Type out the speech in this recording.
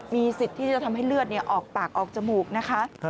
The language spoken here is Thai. มีสิทธิ์ที่จะทำให้เลือดออกปากออกจมูกนะคะ